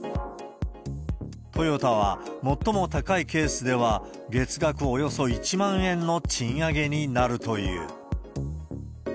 トヨタは最も高いケースでは、月額およそ１万円の賃上げになるという。